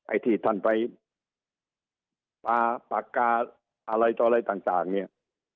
ไอ้ที่ท่านไปปลาปากกาอะไรต่ออะไรต่างเนี่ย